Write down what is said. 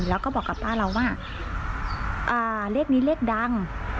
แล้วก็บอกกับป้าเราว่าเลขนี้เลขดัง